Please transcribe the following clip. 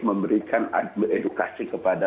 memberikan edukasi kepada